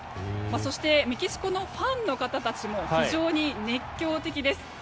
そしてメキシコのファンの方たちも非常に熱狂的です。